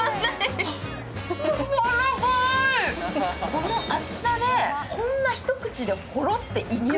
この厚さでこんな一口でホロッといく？